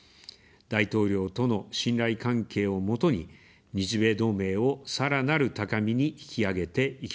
大統領との信頼関係を基に、日米同盟をさらなる高みに引き上げていきます。